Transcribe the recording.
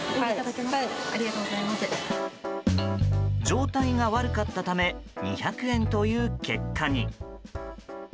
状態が悪かったため２００円という結果に。